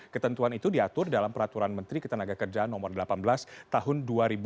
ketentuan itu diatur dalam peraturan menteri ketenaga kerjaan nomor delapan belas tahun dua ribu dua puluh